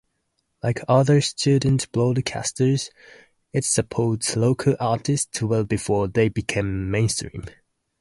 Like other student broadcasters, it supports local artists well before they become mainstream.